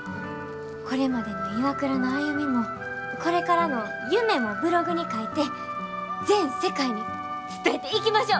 これまでのＩＷＡＫＵＲＡの歩みもこれからの夢もブログに書いて全世界に伝えていきましょう！